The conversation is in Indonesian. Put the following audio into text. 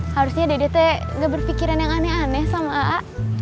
harusnya dede tuh gak berpikiran yang aneh aneh sama a